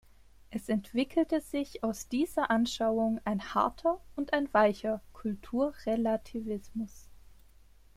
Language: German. Es entwickelte sich aus dieser Anschauung ein harter und ein weicher Kulturrelativismus.